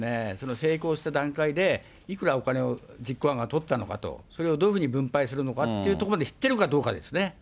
成功した段階でいくらお金を実行犯が取ったのかと、それをどういうふうに分配するのかというところまで知ってるかどうかですね。